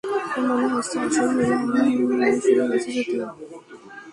মনে হচ্ছে আসল নিলাম শুরু হয়েছে, যদিও।